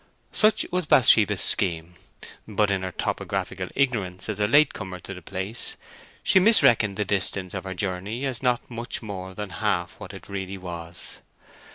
Such was Bathsheba's scheme. But in her topographical ignorance as a late comer to the place, she misreckoned the distance of her journey as not much more than half what it really was.